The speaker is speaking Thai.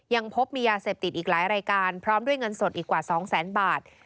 ยังพบมียาเสพติดอีกหลายรายการพร้อมด้วยเงินสดอีกกว่า๒แสนบาท